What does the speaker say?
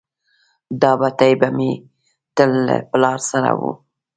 دا بتۍ به مې تل له پلار سره وه.